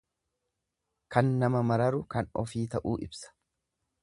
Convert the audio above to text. Kan nama mararu kan ofii ta'uu ibsa.